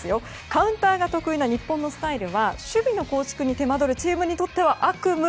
カウンターが得意な日本のスタイルは守備の構築に手間どるチームにとっては悪夢。